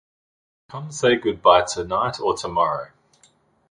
Come say goodbye tonight or tomorrow.